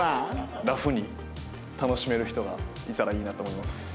ラフに楽しめる人がいたらいいなと思います。